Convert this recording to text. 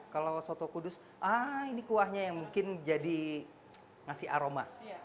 kalau soto kudus ah ini kuahnya yang mungkin jadi ngasih aroma